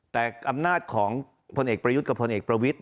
แต่อำนาจของพลเอกประยุทธ์กับพลเอกประวิทธิ